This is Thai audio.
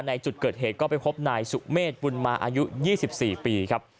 ในจุดเกิดเหตุก็ไปพบนายสุเมฆบุญมาอายุ๒๔ปีครับ